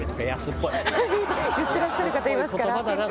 言ってらっしゃる方いますから。